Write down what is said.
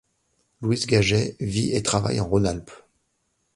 Louis Gagez vit et travaille en Rhône-Alpes.